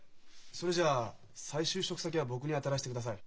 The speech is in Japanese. それじゃあ再就職先は僕に当たらしてください。